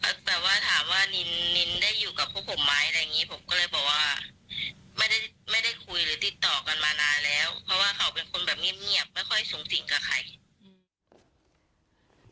เพราะว่าเขาเป็นคนแบบเงียบไม่ค่อยสูงสิ่งกับใคร